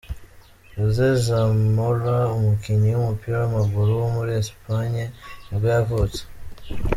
José Zamora, umukinnyi w’umupira w’amaguru wo muri Espagne nibwo yavutse.